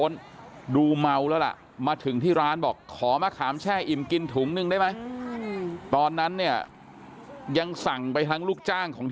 พระบาทพระบาทพระบาทพระบาทพระบาทพระบาทพระบาท